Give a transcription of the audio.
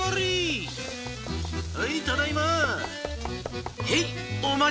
はいただいま！